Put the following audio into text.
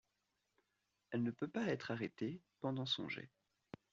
Elle ne peut pas être arrêtée pendant son jet.